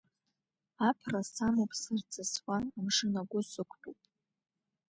Аԥра самоуп сырҵысуа, амшын агәы сықәтәоуп.